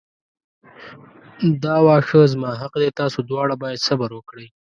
دا واښه زما حق دی تاسو دواړه باید صبر وکړئ.